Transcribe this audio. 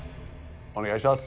お願いします。